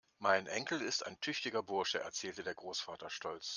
Mein Enkel ist ein tüchtiger Bursche, erzählte der Großvater stolz.